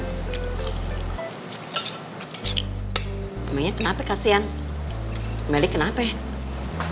namanya kenapa kasihan